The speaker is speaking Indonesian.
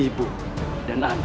ibu dan anak